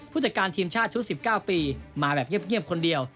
จัดการทีมชาติชุด๑๙ปีมาแบบเงียบคนเดียว